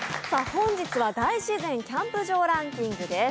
本日は大自然キャンプ場ランキングです。